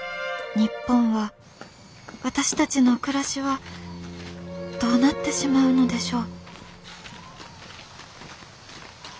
「日本は私たちの暮らしはどうなってしまうのでしょう」。